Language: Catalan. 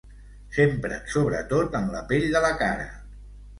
S'empren sobretot en la pell de la cara.